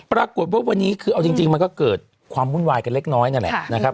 ปรากฏว่าวันนี้คือเอาจริงมันก็เกิดความวุ่นวายกันเล็กน้อยนั่นแหละนะครับ